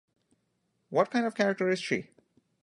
What kind of character is she?